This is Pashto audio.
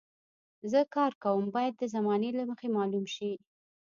زه کار کوم باید د زمانې له مخې معلوم شي.